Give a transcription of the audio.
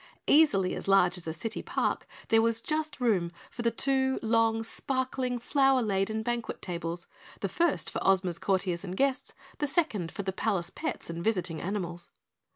Easily as large as a city park, there was just room for the two long, sparkling, flower laden banquet tables, the first for Ozma's courtiers and guests, the second for the palace pets and visiting animals.